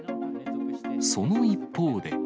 その一方で。